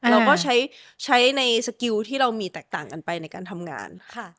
เราก็ใช้ในสกิลที่เรามีแตกต่างกันไปในการทำงาน